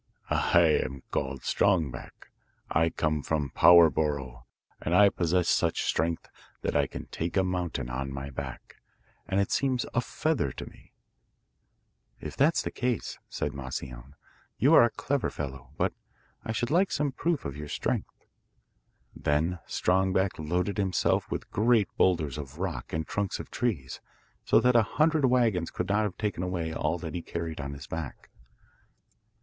'I am called Strong Back; I come from Power borough, and I possess such strength that I can take a mountain on my back, and it seems a feather to me.' 'If that's the case,' said Moscione, 'you are a clever fellow; but I should like some proof of your strength.' Then Strong Back loaded himself with great boulders of rock and trunks of trees, so that a hundred waggons could not have taken away all that he carried on his back.